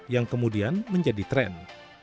yang kemudian menjadi tren